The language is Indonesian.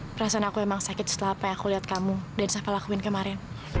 perasaan aku emang sakit setelah pengen aku lihat kamu dan sava lakuin kemarin